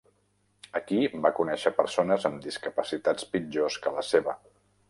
Aquí, va conèixer persones amb discapacitats pitjors que la seva.